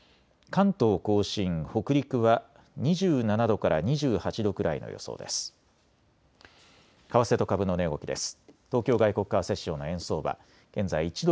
関東甲信、北陸は２７度から２８度くらいの予想です。